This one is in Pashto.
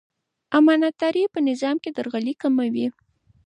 امانتداري په نظام کې درغلي کموي.